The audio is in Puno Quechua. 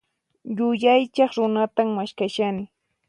Yuyaychaq runatan maskhashani.